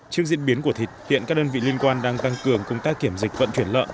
trước diễn biến của thịt hiện các đơn vị liên quan đang tăng cường công tác kiểm dịch vận chuyển lợn